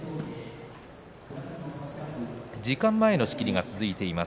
時間前の仕切りが続いています。